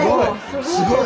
すごい！